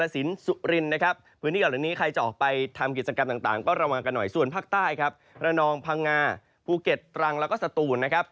ส่วนภาคใต้ครับระนองพังงาภูเก็ตตรังแล้วก็สตูนนะครับ